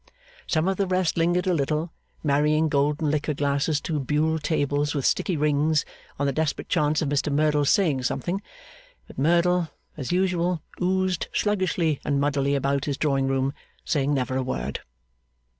Some of the rest lingered a little, marrying golden liqueur glasses to Buhl tables with sticky rings; on the desperate chance of Mr Merdle's saying something. But Merdle, as usual, oozed sluggishly and muddily about his drawing room, saying never a word.